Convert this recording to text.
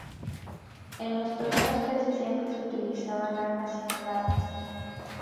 En los torneos casi siempre se utilizaban armas simuladas.